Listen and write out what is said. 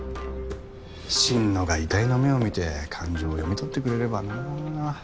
心野が遺体の目を見て感情を読み取ってくれればなぁ。